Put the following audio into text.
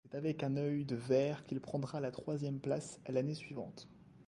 C'est avec un œil de verre qu'il prendra la troisième place l'année suivante.